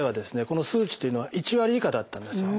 この数値というのは１割以下だったんですよ。